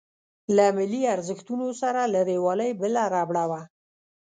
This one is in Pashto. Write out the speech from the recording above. له ملي ارزښتونو سره لريوالۍ بله ربړه وه.